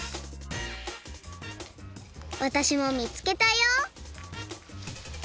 わたしも見つけたよ！